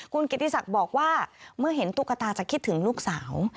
คุณกิติศักดิ์บอกว่าเมื่อเห็นตุ๊กตาจะคิดถึงลูกสาว